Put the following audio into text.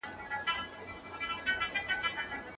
آیا کتاب تر مجلې اوږد دی؟